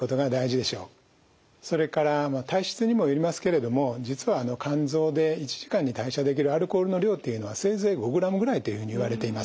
それから体質にもよりますけれども実は肝臓で１時間に代謝できるアルコールの量というのはせいぜい５グラムぐらいというふうにいわれています。